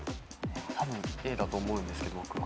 たぶんＡだと思うんですけど僕は。